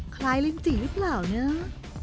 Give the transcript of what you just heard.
คลายลินจีหรือเปล่าเนอะ